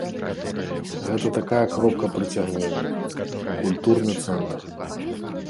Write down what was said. Гэта такая кропка прыцягнення, культурны цэнтр.